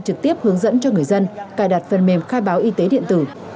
trực tiếp hướng dẫn cho người dân cài đặt phần mềm khai báo y tế điện tử